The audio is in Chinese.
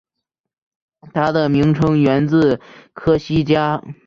它的名称源自科西嘉。